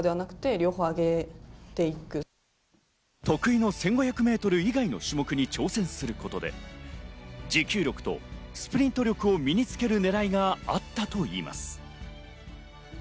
得意の１５００メートル以外の種目に挑戦することで持久力とスプリント力を身につけるねらいがあったといいます。